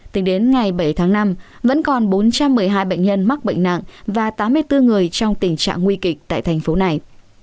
tính đến ngày bảy tháng năm vẫn còn bốn trăm một mươi hai bệnh nhân mắc bệnh nặng và tám mươi bốn người trong tình trạng nguy kịch tại thành phố này